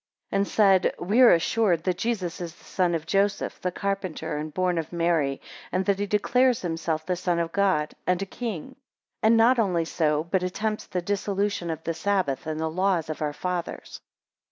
2 And said, We are assured that Jesus is the son of Joseph, the carpenter, and born of Mary, and that he declares himself the Son of God, and a king; and not only so, but attempts the dissolution of the Sabbath, and the laws of our fathers.